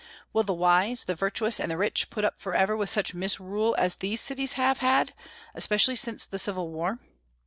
Will the wise, the virtuous, and the rich put up forever with such misrule as these cities have had, especially since the Civil War?